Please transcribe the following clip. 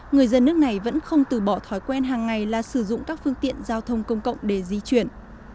người dân nước này vẫn không từ bỏ thói quen hàng ngày là sử dụng các phương tiện giao thông công cộng để di chuyển